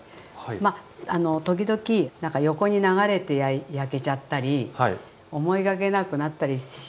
まああの時々何か横に流れて焼けちゃったり思いがけなくなったりするんですよ。